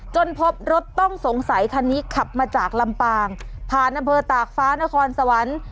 พบรถต้องสงสัยคันนี้ขับมาจากลำปางผ่านอำเภอตากฟ้านครสวรรค์